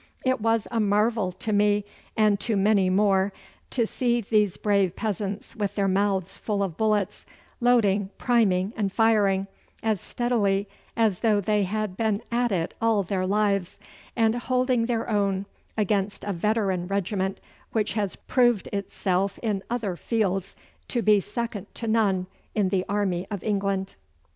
It was a marvel to me, and to many more, to see these brave peasants with their mouths full of bullets, loading, priming, and firing as steadily as though they had been at it all their lives, and holding their own against a veteran regiment which has proved itself in other fields to be second to none in the army of England.